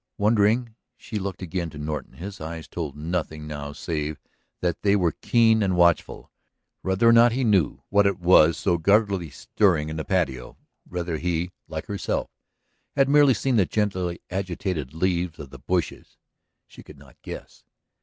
Wondering, she looked again to Norton. His eyes told nothing now save that they were keen and watchful. Whether or not he knew what it was so guardedly stirring in the patio, whether he, like herself, had merely seen the gently agitated leaves of the bushes, she could not guess.